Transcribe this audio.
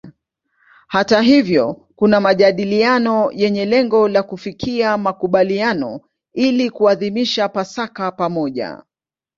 Hata hivyo kuna majadiliano yenye lengo la kufikia makubaliano ili kuadhimisha Pasaka pamoja.